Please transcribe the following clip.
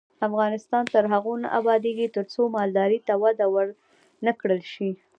افغانستان تر هغو نه ابادیږي، ترڅو مالدارۍ ته وده ورنکړل شي.